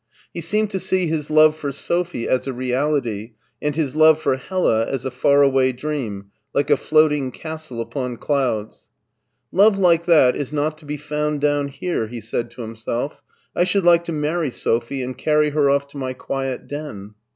He seemcid to see his love for Sophie as a reality and his love for Hella as a far away dream, like a floating castle upon clouds. "Love like that is not to be found down here,'* he said to himself. " I should like to marry Sophie and carry her off to my quiet den.''